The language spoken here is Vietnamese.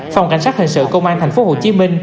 phòng cảnh sát hình sự công an tp hcm